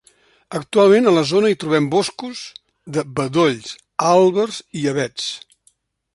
Actualment a la zona hi trobem boscos de bedolls, àlbers i avets.